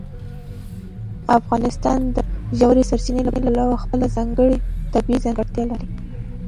افغانستان د ژورې سرچینې له پلوه خپله ځانګړې طبیعي ځانګړتیا لري.